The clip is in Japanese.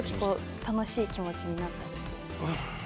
楽しい気持ちになったりは？